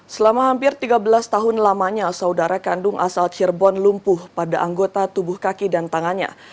selama hampir tiga belas tahun lamanya saudara kandung asal cirebon lumpuh pada anggota tubuh kaki dan tangannya